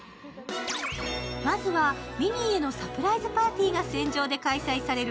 まずはミニーへのサプライズパーティーが船上で開催される